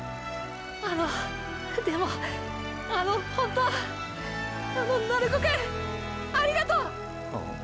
あのでもあのホントあの鳴子くんありがとう！！ん？